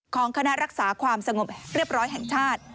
ของคณะรักษาความสงบเรียบร้อยแห่งชาติ